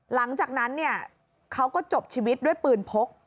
หลังจากนั้นเนี่ยเขาก็จบชีวิตด้วยปืนพก